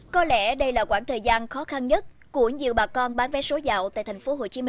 có lẽ đây là quãng thời gian khó khăn nhất của nhiều bà con bán vé số dạo tại tp hcm